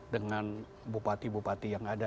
dengan bupati bupati yang ada